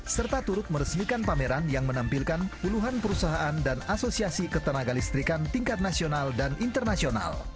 serta turut meresmikan pameran yang menampilkan puluhan perusahaan dan asosiasi ketenaga listrikan tingkat nasional dan internasional